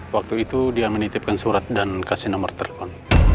waktu itu dia menitipkan surat dan kasih nomor telepon